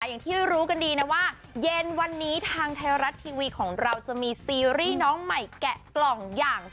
อย่างที่รู้กันดีนะว่าเย็นวันนี้ทางไทยรัฐทีวีของเราจะมีซีรีส์น้องใหม่แกะกล่องอย่าง